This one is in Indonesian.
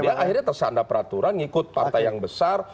betul akhirnya tersandra peraturan ikut partai yang besar